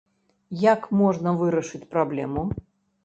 Як можна вырашыць праблему?